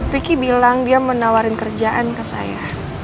ricky bilang dia mau nawarin kerjaan ke saya